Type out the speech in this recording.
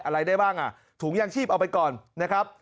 อะไรได้บ้างอ่ะถุงยางชีพเอาไปก่อนนะครับ